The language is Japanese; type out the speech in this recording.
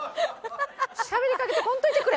しゃべりかけてこんといてくれ！